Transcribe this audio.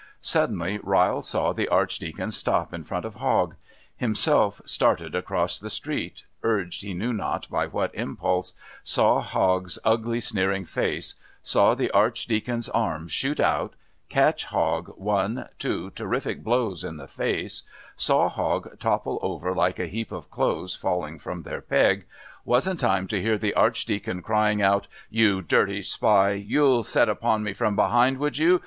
Suddenly Ryle saw the Archdeacon stop in front of Hogg; himself started across the street, urged he knew not by what impulse, saw Hogg's ugly sneering face, saw the Archdeacon's arm shoot out, catch Hogg one, two terrific blows in the face, saw Hogg topple over like a heap of clothes falling from their peg, was in time to hear the Archdeacon crying out, "You dirty spy! You'd set upon me from behind, would you?